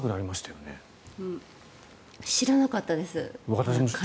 私も知らなかったです。